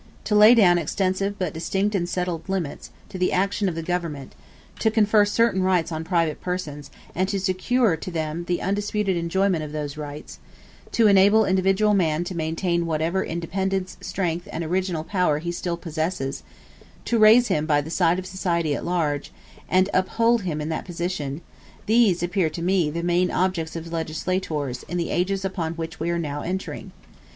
To lay down extensive, but distinct and settled limits, to the action of the government; to confer certain rights on private persons, and to secure to them the undisputed enjoyment of those rights; to enable individual man to maintain whatever independence, strength, and original power he still possesses; to raise him by the side of society at large, and uphold him in that position these appear to me the main objects of legislators in the ages upon which we are now entering.